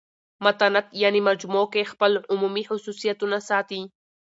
متانت یعني مجموع کښي خپل عمومي خصوصیتونه ساتي.